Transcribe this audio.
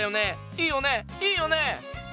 いいよねいいよね！